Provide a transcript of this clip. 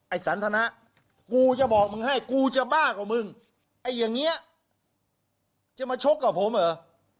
ไอ้สันธนะกูจะบอกให้กูจะบ้ากับมึงจะมาชกกับผมเหรอ